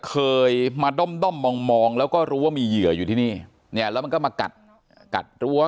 เคยมาด้อมด้อมมองแล้วก็รู้ว่ามีเหยื่ออยู่ที่นี่เนี่ยแล้วมันก็มากัดกัดรั้ว